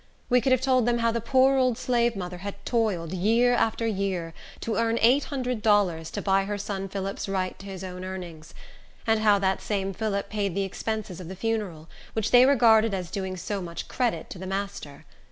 We could have told them how the poor old slavemother had toiled, year after year, to earn eight hundred dollars to buy her son Phillip's right to his own earnings; and how that same Phillip paid the expenses of the funeral, which they regarded as doing so much credit to the master.